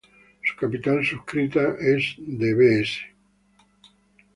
Su capital suscrito es de Bs.